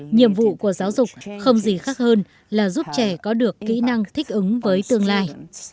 nhiệm vụ của giáo dục không gì khác hơn là giúp trẻ có được kỹ năng thích ứng với tương lai